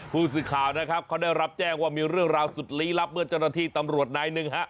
ผู้สื่อข่าวนะครับเขาได้รับแจ้งว่ามีเรื่องราวสุดลี้ลับเมื่อเจ้าหน้าที่ตำรวจนายหนึ่งฮะ